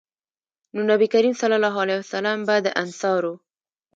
نو نبي کريم صلی الله علیه وسلّم به د انصارو